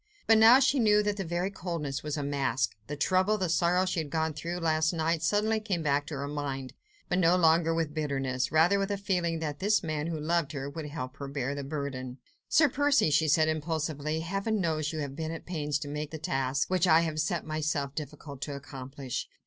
But now she knew that that very coldness was a mask. The trouble, the sorrow she had gone through last night, suddenly came back to her mind, but no longer with bitterness, rather with a feeling that this man who loved her, would help her to bear the burden. "Sir Percy," she said impulsively, "Heaven knows you have been at pains to make the task, which I had set to myself, terribly difficult to accomplish.